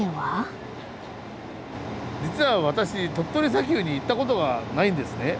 実は私鳥取砂丘に行ったことがないんですね。